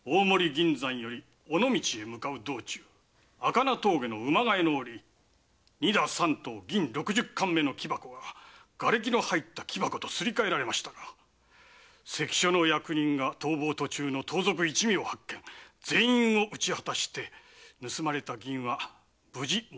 銀山より尾道へ向かう道中赤名峠の馬替えのおり荷駄三頭銀六十貫目の木箱が瓦礫の入った木箱とすり替えられましたが役人が逃亡途中の盗賊一味を発見全員を討ち果たして盗まれた銀は無事戻ったよしにございます。